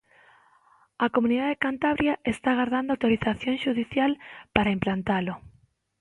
A comunidade de Cantabria está agardando autorización xudicial para implantalo.